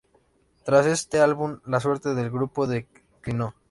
Tras este álbum la suerte del grupo declinó.